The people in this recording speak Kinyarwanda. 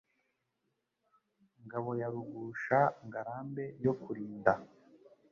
Ngango ya RugushaNgarambe yo kurinda